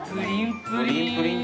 プリンプリン。